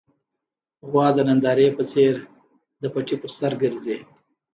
غوا د نندارې په څېر د پټي پر سر ګرځي.